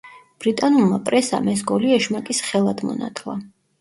ბრიტანულმა პრესამ ეს გოლი „ეშმაკის ხელად“ მონათლა.